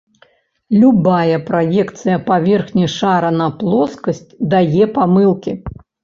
Любая праекцыя паверхні шара на плоскасць дае памылкі.